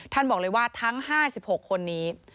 ท่านบอกเลยว่าทั้ง๕๖คนนี้